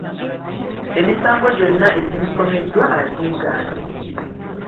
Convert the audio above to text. Emisango gyonna egimusomeddwa agyegaanye.